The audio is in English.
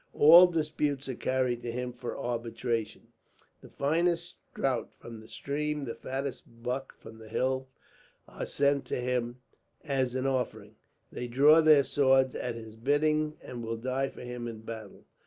All disputes are carried to him for arbitration. The finest trout from the stream, the fattest buck from the hills, are sent to him as an offering. They draw their swords at his bidding, and will die for him in battle.